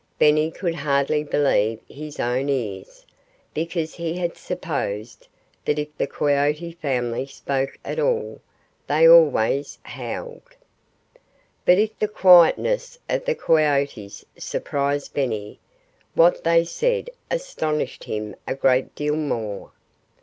Benny could hardly believe his own ears, because he had supposed that if the coyote family spoke at all, they always howled. But if the quietness of the coyotes surprised Benny, what they said astonished him a great deal more.